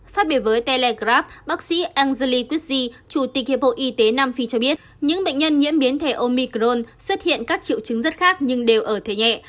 phát biểu với telegraph bác sĩ angeli kutsi chủ tịch hiệp hội y tế nam phi cho biết những bệnh nhân nhiễm biến thể omicron xuất hiện các triệu chứng rất khác nhưng đều ở thế nhẹ